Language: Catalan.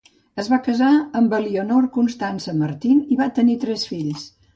Es va casar amb Elinor Constance Martin i van tenir tres fills.